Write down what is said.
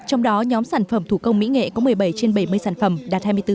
trong đó nhóm sản phẩm thủ công mỹ nghệ có một mươi bảy trên bảy mươi sản phẩm đạt hai mươi bốn